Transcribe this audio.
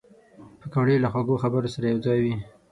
پکورې له خوږو خبرو سره یوځای وي